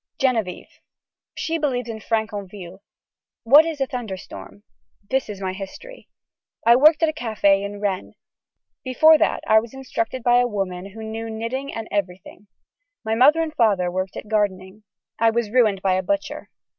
(Genevieve.) She believes in Fraconville. What is a thunder storm. This is my history. I worked at a cafe in Rennes. Before that I was instructed by a woman who knew knitting and everything. My mother and father worked at gardening. I was ruined by a butcher.